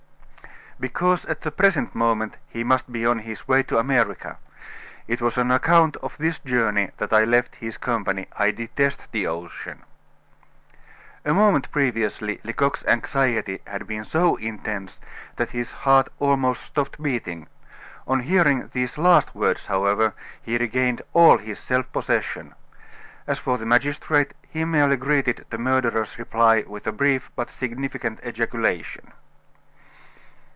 "Because at the present moment he must be on his way to America. It was on account of this journey that I left his company I detest the ocean." A moment previously Lecoq's anxiety had been so intense that his heart almost stopped beating; on hearing these last words, however, he regained all his self possession. As for the magistrate, he merely greeted the murderer's reply with a brief but significant ejaculation.